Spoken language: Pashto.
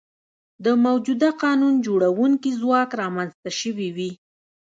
د موجوده قانون جوړوونکي ځواک رامنځته شوي وي.